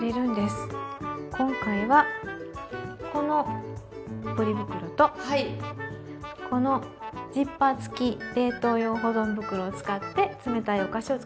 今回はこのポリ袋とこのジッパー付き冷凍用保存袋を使って冷たいお菓子を作ります。